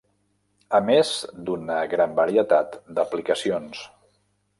A més d'una gran varietat d'aplicacions.